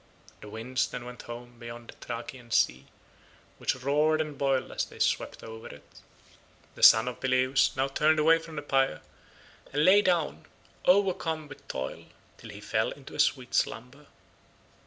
The winds then went home beyond the Thracian sea, which roared and boiled as they swept over it. The son of Peleus now turned away from the pyre and lay down, overcome with toil, till he fell into a sweet slumber.